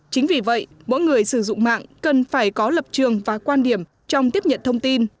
chính vì vậy mỗi người sử dụng mạng cần phải có lập trường và quan điểm trong tiếp nhận thông tin